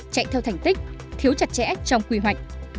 chạy theo thành tích thiếu chặt chẽ trong quy hoạch